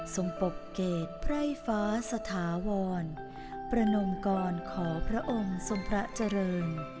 ปกเกตไพร่ฟ้าสถาวรประนมกรขอพระองค์ทรงพระเจริญ